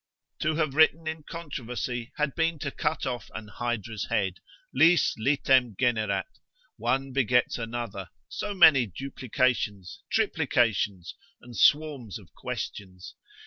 To have written in controversy had been to cut off an hydra's head, Lis litem generat, one begets another, so many duplications, triplications, and swarms of questions.